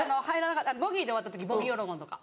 ボギーで終わった時「ボギー・オロゴン」とか。